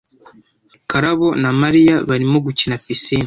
Karabo na Mariya barimo gukina pisine.